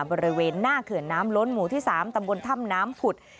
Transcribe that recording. บริเวณหน้าเขื่อนน้ำล้นหมู่ที่๓ตำบลถ้ำน้ำผุด